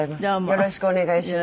よろしくお願いします。